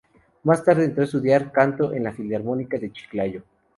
Más tarde, entró a estudiar canto en la Filarmónica de Chiclayo.